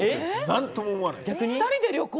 何とも思わない。